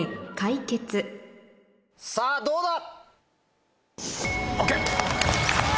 さぁどうだ？